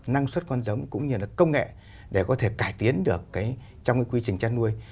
năng suất con giống cũng như là công nghệ để có thể cải tiến được trong cái quy trình chăn nuôi